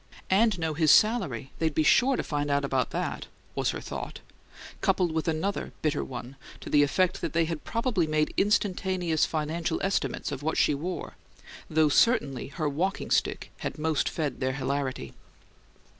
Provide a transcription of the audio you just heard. "And know his salary! They'd be SURE to find out about that!" was her thought, coupled with another bitter one to the effect that they had probably made instantaneous financial estimates of what she wore though certainly her walking stick had most fed their hilarity.